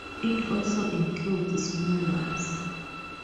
It also includes small ones.